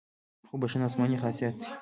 خو بښنه آسماني خاصیت دی.